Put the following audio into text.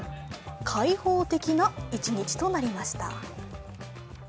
開放的な一日となりました。